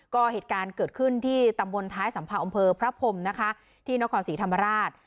ก็เหตุการณ์เกิดขึ้นที่ตำบลท้ายสัมเภาอำเภอพระพรมนะคะที่นครศรีธรรมราช